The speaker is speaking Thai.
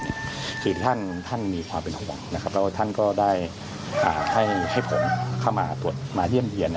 และปากเจ็บท่านมีความเป็นห่วงท่านก็ได้ให้ผมเข้ามาตรวจมาเยี่ยมเยี่ยม